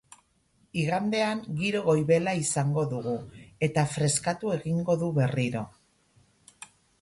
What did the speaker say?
Igandean giro goibela izango dugu, eta freskatu egingo du berriro.